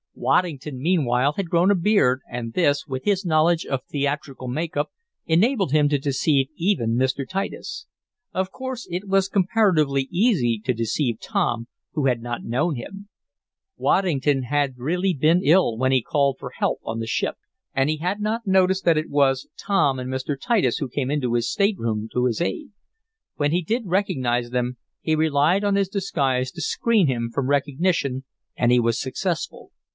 Waddington, meanwhile, had grown a beard and this, with his knowledge of theatrical makeup, enabled him to deceive even Mr. Titus. Of course it was comparatively easy to deceive Tom, who had not known him. Waddington had really been ill when he called for help on the ship, and he had not noticed that it was Tom and Mr. Titus who came into his stateroom to his aid. When he did recognize them, he relied on his disguise to screen him from recognition, and he was successful.